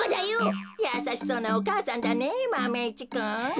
やさしそうなお母さんだねマメ１くん。